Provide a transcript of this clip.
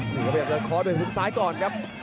พยายามจะคอด้วยหุ้มซ้ายก่อนครับ